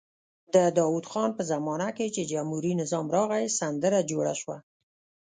د داود خان په زمانه کې چې جمهوري نظام راغی سندره جوړه شوه.